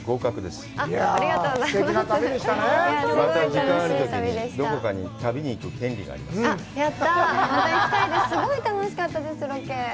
すごい楽しかったです、ロケ。